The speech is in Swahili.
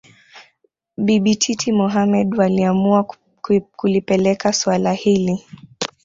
Bibi Titi Mohamed waliamua kulipeleka suala hili